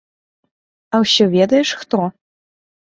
А ўсё ведаеш хто?